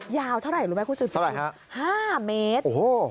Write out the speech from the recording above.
ยาวเท่าไหร่รู้ไหมครับคุณสุดยอดห้าเมตรโอ้โห